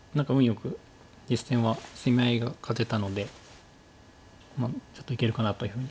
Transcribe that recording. よく実戦は攻め合いが勝てたのでまあちょっといけるかなというふうに。